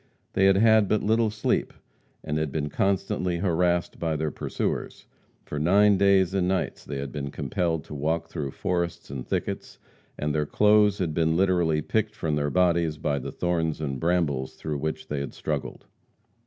They had had but little sleep, and had been constantly harassed by their pursuers. For nine days and nights they had been compelled to walk through forests and thickets, and their clothes had been literally picked from their bodies by the thorns and brambles through which they had struggled.